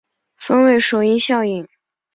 分为首因效应。